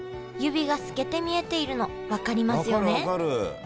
指が透けて見えているの分かりますよね